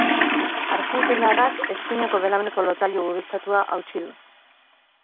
Argentinarrak eskuineko belauneko lotailu gurutzatua hautsi du.